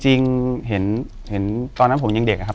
จริงเห็นตอนนั้นผมยังเด็กนะครับ